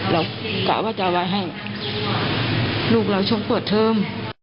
เรากะว่าจะเอาไว้ให้ลูกเราชมปวดเทิม